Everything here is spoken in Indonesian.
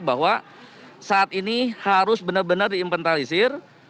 bahwa saat ini harus benar benar diimpentallisir